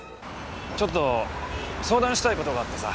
ちょっと相談したい事があってさ。